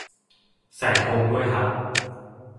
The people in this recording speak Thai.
ใส่ธงด้วยฮะ